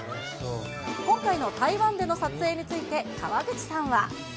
今回の台湾での撮影について、川口さんは。